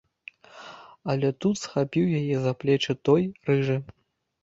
Але тут схапіў яе за плечы той, рыжы.